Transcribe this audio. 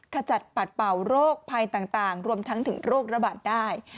ขจัดปัดเป่าโรคภัยต่างรวมทั้งถึงโรคระบาดได้